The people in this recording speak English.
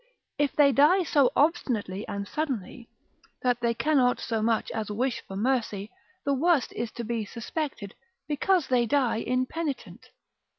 If they die so obstinately and suddenly, that they cannot so much as wish for mercy, the worst is to be suspected, because they die impenitent.